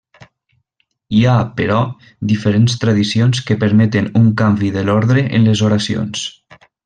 Hi ha, però, diferents tradicions que permeten un canvi de l'ordre en les oracions.